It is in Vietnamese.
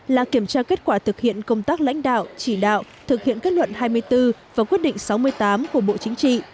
là kiểm tra kết quả thực hiện công tác lãnh đạo chỉ đạo thực hiện kết luận hai mươi bốn và quyết định sáu mươi tám của bộ chính trị